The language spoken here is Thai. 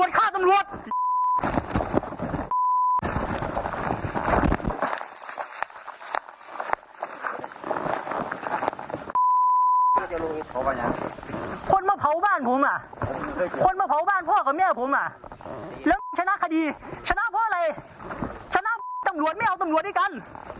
ชนะเพราะอะไรชนะเห้ยตำรวจไม่เอาตำรวจด้วยกัน